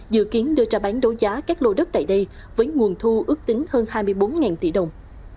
dự kiến đưa ra bán đấu giá các lô đất tại đây với nguồn thu ước tính hơn hai mươi bốn tỷ đồng